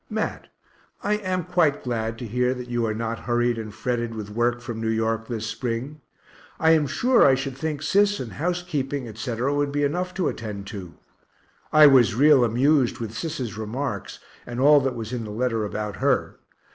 Mat, I am quite glad to hear that you are not hurried and fretted with work from New York this spring I am sure I should think Sis and housekeeping, etc., would be enough to attend to. I was real amused with Sis's remarks, and all that was in the letter about her.